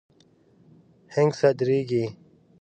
هنګ صادریږي.